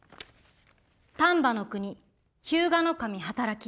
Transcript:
「丹波国日向守働き」。